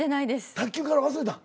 卓球から忘れたん？